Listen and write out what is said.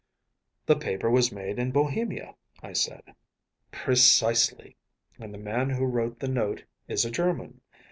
“The paper was made in Bohemia,‚ÄĚ I said. “Precisely. And the man who wrote the note is a German.